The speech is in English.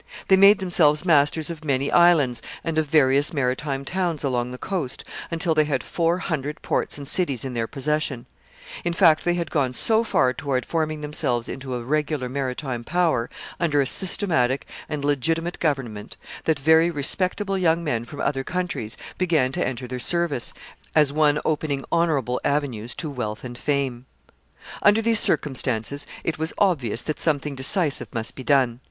They made themselves masters of many islands and of various maritime towns along the coast, until they had four hundred ports and cities in their possession. In fact, they had gone so far toward forming themselves into a regular maritime power, under a systematic and legitimate government, that very respectable young men from other countries began to enter their service, as one opening honorable avenues to wealth and fame. [Sidenote: Plan for destroying the pirates.] [Sidenote: Its magnitude.] Under these circumstances, it was obvious that something decisive must be done.